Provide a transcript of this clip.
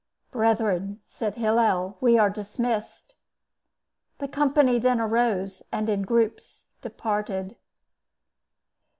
"Brethren," said Hillel, "we are dismissed." The company then arose, and in groups departed.